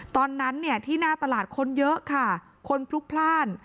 ตอนนั้นเนี่ยที่หน้าตลาดคนเยอะค่ะคนพลุกพลาด